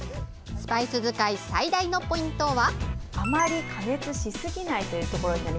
スパイス使い最大のポイントは。